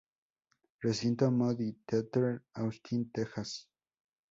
Recinto: Moody Theater, Austin, Texas.